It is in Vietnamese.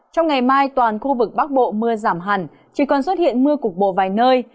trong ngày mai toàn khu vực bắc bộ mưa giảm hẳn chỉ còn xuất hiện mưa cục bộ vài nơi